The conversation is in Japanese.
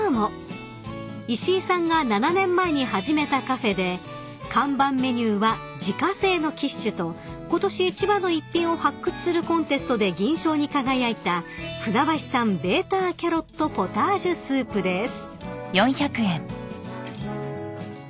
［石井さんが７年前に始めたカフェで看板メニューは自家製のキッシュとことし千葉の逸品を発掘するコンテストで銀賞に輝いた船橋産ベーターキャロットポタージュスープです］